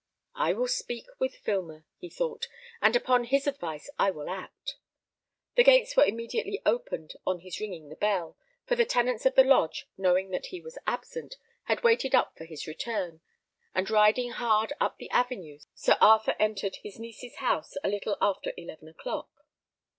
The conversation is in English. "I will speak with Filmer," he thought; "and upon his advice I will act." The gates were immediately opened on his ringing the bell; for the tenants of the lodge, knowing that he was absent, had waited up for his return, and riding hard up the avenue, Sir Arthur entered his niece's house a little after eleven o'clock.